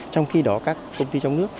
trong khi đó các công ty trong nước